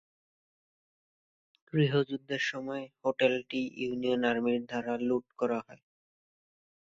গৃহযুদ্ধের সময়, হোটেলটি ইউনিয়ন আর্মি দ্বারা লুট করা হয়।